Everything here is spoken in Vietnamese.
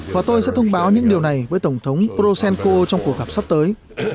và tôi sẽ thông báo những điều này với tổng thống poroshenko trong cuộc gặp sắp tới